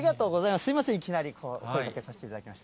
すみません、いきなり。声かけさせていただきました。